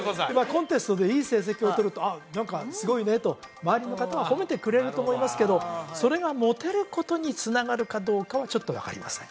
コンテストでいい成績を取ると何かすごいねと周りの方は褒めてくれると思いますけどそれがモテることにつながるかどうかはちょっと分かりません